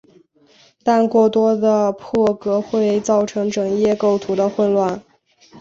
但过多的破格会造成整页构图的混乱。